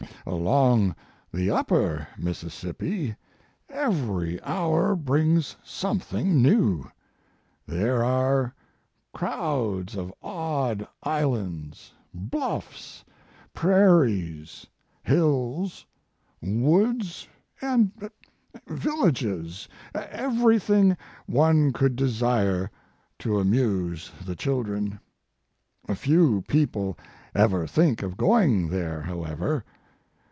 Along the upper Mississippi every hour brings something new. There are crowds cf odd islands, bluffs, prairies, hills, woods and villages everything one could desire to amuse the children. Few people ever think of going there, however.